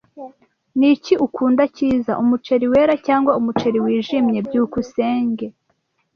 Niki ukunda cyiza, umuceri wera cyangwa umuceri wijimye? byukusenge